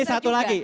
ini satu lagi